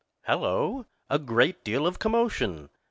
"] Hallo! A great deal of commotion!